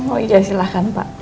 oh iya silahkan pak